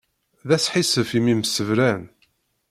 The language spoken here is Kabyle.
D asḥissef imi msebran.